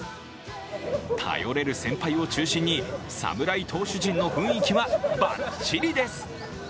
頼れる先輩を中心に侍投手陣の雰囲気はばっちりです。